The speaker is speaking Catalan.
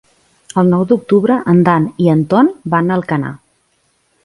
El nou d'octubre en Dan i en Ton van a Alcanar.